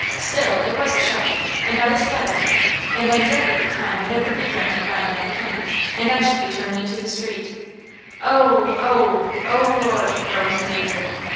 Still it was a shelter, and I was glad of it, and I dreaded the time when it would be rented by another tenant, and I should be turned into the street." "Oh! oh! oh, Lord!" groaned the major.